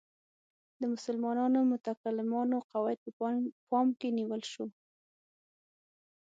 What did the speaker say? د مسلمانو متکلمانو قواعد په پام کې نیول شو.